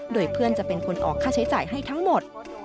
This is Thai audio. โดยเพื่อนจะเป็นคนออกค่าใช้จ่ายให้ทั้งหมด